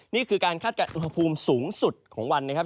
นี่คือการคาดการณ์อุณหภูมิสูงสุดของวันนะครับ